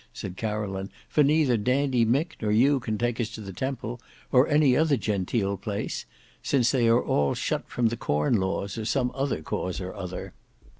said Caroline; "for neither Dandy Mick nor you can take us to the Temple, or any other genteel place, since they are all shut from the Corn Laws, or some other cause or other."